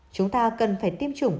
chúng ta cần phải tiêm chủng